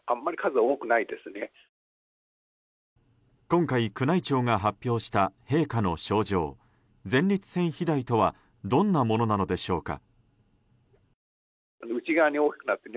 今回、宮内庁が発表した陛下の症状前立腺肥大とはどんなものなのでしょうか。